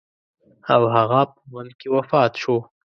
او هغه په بند کې وفات شو.